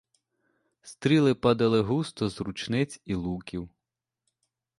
Стріли падали густо з рушниць і луків.